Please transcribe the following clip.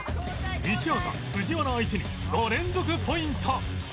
西畑藤原相手に５連続ポイント